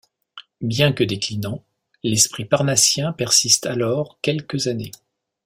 Bien que déclinant, l’esprit parnassien persiste alors quelques années.